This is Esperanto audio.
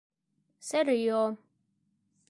serio